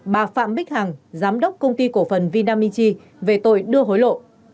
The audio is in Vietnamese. bà phạm bích hằng giám đốc công ty cổ phần vinamichi về tội đưa hối lộ